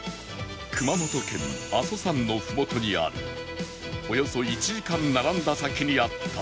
熊本県阿蘇山のふもとにあるおよそ１時間並んだ先にあった絶品グルメとは？